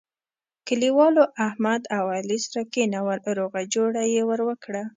کلیوالو احمد او علي سره کېنول روغه جوړه یې ور وکړه.